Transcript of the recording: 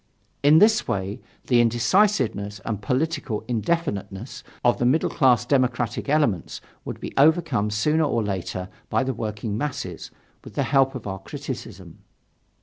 In this way the indecisiveness and political indefiniteness of the middle class democratic elements would be overcome sooner or later by the working masses, with the help of our criticism.